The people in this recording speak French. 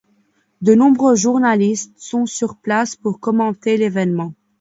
De nombreux journalistes sont sur place pour commenter l'événement.